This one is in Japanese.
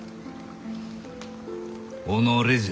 己じゃ。